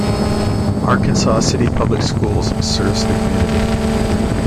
Arkansas City Public Schools serves the community.